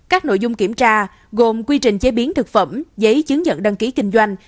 các nội dung kiểm tra gồm quy trình chế biến thực phẩm giấy chứng nhận đăng ký kinh doanh